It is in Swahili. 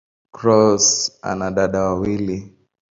Cross ana dada wawili.